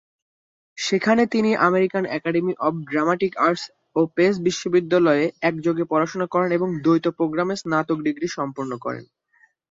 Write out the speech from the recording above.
সেখানে তিনি American Academy of Dramatic Arts ও পেস বিশ্ববিদ্যালয়ে একযোগে পড়াশোনা করেন এবং দ্বৈত প্রোগ্রামে স্নাতক ডিগ্রি সম্পন্ন করেন।